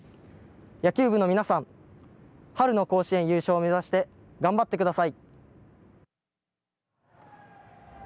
野球部の皆さん、春の甲子園優勝を目指して頑張って下さい！